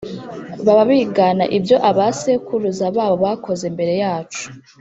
baba bigana ibyo abasekuruza babo bakoze mbere yacu